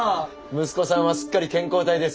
息子さんはすっかり健康体ですよ。